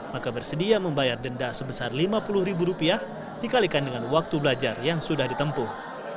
maka bersedia membayar denda sebesar lima puluh ribu rupiah dikalikan dengan waktu belajar yang sudah ditempuh